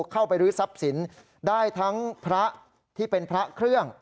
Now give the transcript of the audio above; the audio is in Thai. เข้าไปรื้อทรัพย์สินได้ทั้งพระที่เป็นพระเครื่อง